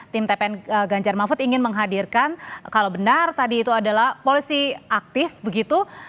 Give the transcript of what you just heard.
tim tpn ganjar mahfud ingin menghadirkan kalau benar tadi itu adalah polisi aktif begitu